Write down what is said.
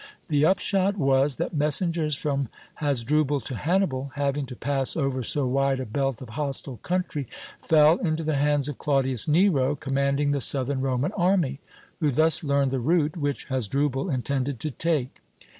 The upshot was that messengers from Hasdrubal to Hannibal, having to pass over so wide a belt of hostile country, fell into the hands of Claudius Nero, commanding the southern Roman army, who thus learned the route which Hasdrubal intended to take.